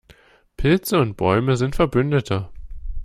Pilze und Bäume sind Verbündete.